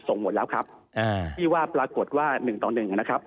หมดแล้วครับที่ว่าปรากฏว่า๑ต่อ๑นะครับ